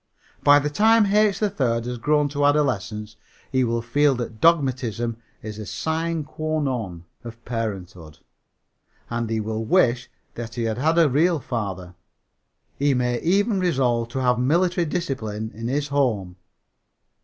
By the time H. 3rd has grown to adolescence he will feel that dogmatism is a sine qua non of parenthood, and he will wish that he had had a real father. He may even resolve to have military discipline in his home.